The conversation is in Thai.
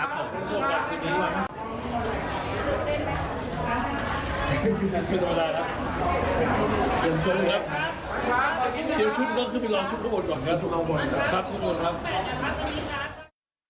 โปรดติดตามตอนต่อไป